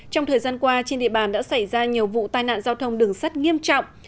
trong thời gian qua trên địa bàn đã xảy ra nhiều vụ tai nạn giao thông đường sắt nghiêm trọng